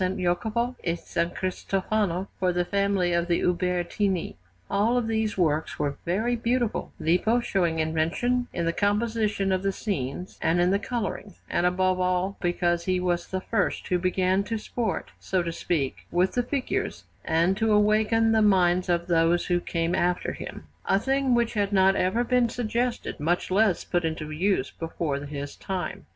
Jacopo e S. Cristofano for the family of the Ubertini. All these works were very beautiful, Lippo showing invention in the composition of the scenes and in the colouring, and above all because he was the first who began to sport, so to speak, with the figures, and to awaken the minds of those who came after him; a thing which had not even been suggested, much less put into use, before his time.